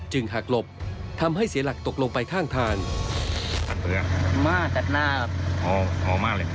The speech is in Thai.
จึงหักหลบทำให้เสียหลักตกลงไปข้างทาง